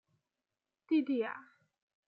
蒂蒂雅。